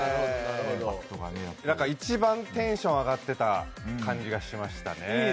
一番テンション上がってた感じしましたね。